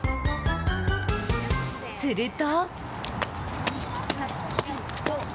すると。